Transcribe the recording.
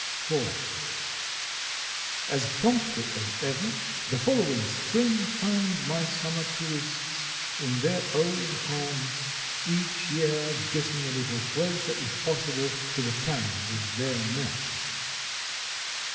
IV. As promptly as ever the following spring found my summer tourists in their old haunts, each year getting a little closer if possible to the cabin with their nest.